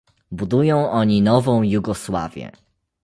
Budują oni nową Jugosławię